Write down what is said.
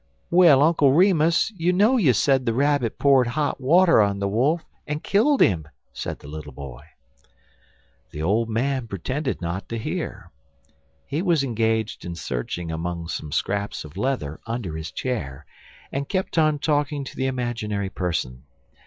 "Well, Uncle Remus, you know you said the Rabbit poured hot water on the Wolf and killed him," said the little boy. The old man pretended not to hear. He was engaged in searching among some scraps of leather under his chair, and kept on talking to the imaginary person.